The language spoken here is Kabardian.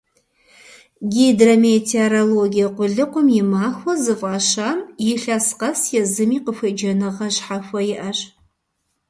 «Гидрометеорологие къулыкъум и махуэ» зыфӀащам илъэс къэс езым и къыхуеджэныгъэ щхьэхуэ иӀэщ.